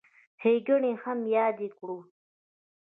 ښېګڼې یې هم یادې کړو.